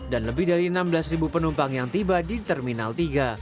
dan lebih dari enam belas penumpang yang tiba di terminal tiga